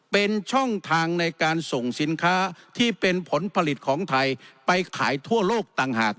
เป็นช่องทางในการส่งสินค้าที่เป็นผลผลิตของไทยไปขายทั่วโลกต่างหาก